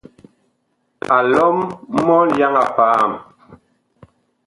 A lɔm mɔlyaŋ a paam.